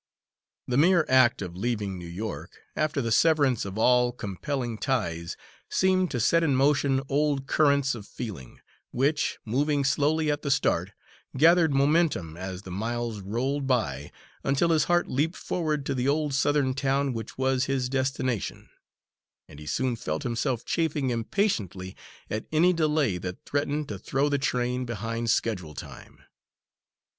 The mere act of leaving New York, after the severance of all compelling ties, seemed to set in motion old currents of feeling, which, moving slowly at the start, gathered momentum as the miles rolled by, until his heart leaped forward to the old Southern town which was his destination, and he soon felt himself chafing impatiently at any delay that threatened to throw the train behind schedule time.